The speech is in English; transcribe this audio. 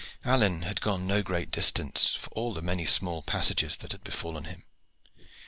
Alleyne had gone no great distance for all the many small passages that had befallen him.